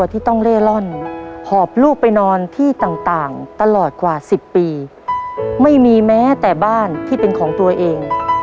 ตลอดกว่าสิบปีไม่มีแม้แต่บ้านที่เป็นของตัวเอง